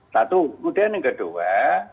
satu kemudian yang kedua